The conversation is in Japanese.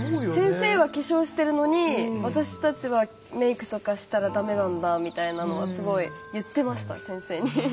先生は化粧してるのに私たちはメークとかしたらだめなんだみたいなのはすごい言ってました先生に。